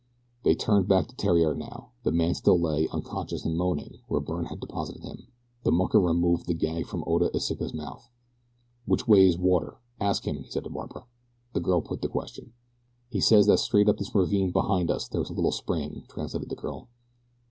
They turned back to Theriere now. The man still lay, unconscious and moaning, where Byrne had deposited him. The mucker removed the gag from Oda Iseka's mouth. "Which way is water? Ask him," he said to Barbara. The girl put the question. "He says that straight up this ravine behind us there is a little spring," translated the girl.